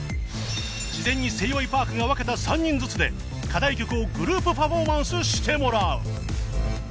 事前にセイ ．Ｙ．Ｐａｒｋ が分けた３人ずつで課題曲をグループパフォーマンスしてもらう